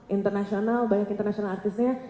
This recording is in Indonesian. internasional banyak internasional artisnya